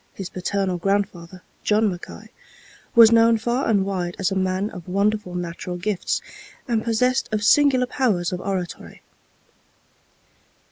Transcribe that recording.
His paternal grandfather, John Mackay, was known far and wide as a man of wonderful natural gifts, and possessed of singular powers of oratory.